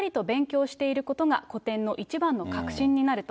しっかりと勉強していることが古典の一番の核心になると。